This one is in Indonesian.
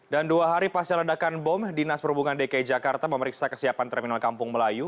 dan dua hari pas terledakan bom dinas perhubungan dki jakarta memeriksa kesiapan terminal kampung melayu